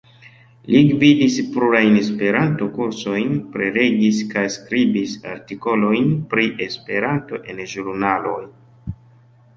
Li gvidis plurajn Esperanto-kursojn, prelegis kaj skribis artikolojn pri Esperanto en ĵurnaloj.